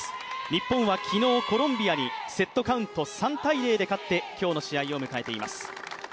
日本は昨日、コロンビアにセットカウント３−０で勝って今日の試合を迎えています。